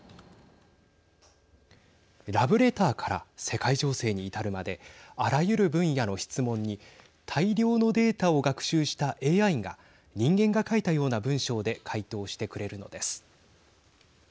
ラブレターから世界情勢に至るまであらゆる分野の質問に大量のデータを学習したＡＩが人間が書いたような文章で回答してくれるのです。